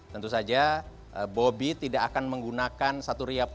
tentu saja bobi tidak akan menggunakan satu riap